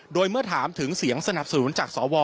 โดยเมื่อถามถึงเสียงสนับสนุนจากสว